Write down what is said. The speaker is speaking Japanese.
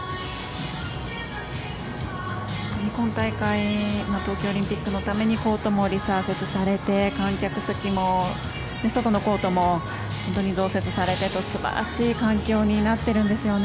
本当に今大会東京オリンピックのために観客席も外のコートも本当に増設されてと素晴らしい環境になってるんですよね。